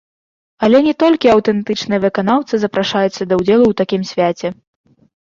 Але не толькі аўтэнтычныя выканаўцы запрашаюцца да ўдзелу ў такім свяце.